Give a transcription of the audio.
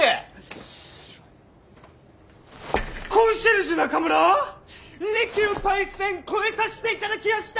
コンシェルジェ中村利休パイセン超えさせて頂きやした。